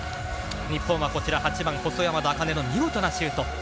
日本は８番・細山田茜の見事なシュート。